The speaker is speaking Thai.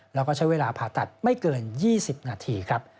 แล้วก็ใช้เวลาผ่าตัดไม่เกิน๒๐นาทีครับ